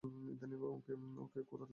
ইদানীং ওকে খোঁড়াতে দেখেছ?